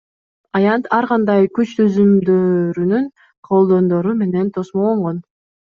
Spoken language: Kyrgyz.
Аянт ар кандай күч түзүмдөрүнүн кордондору менен тосмолонгон.